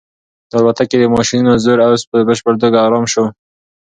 د الوتکې د ماشینونو زور اوس په بشپړه توګه ارام شو.